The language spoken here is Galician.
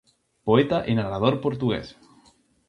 Poeta e narrador portugués.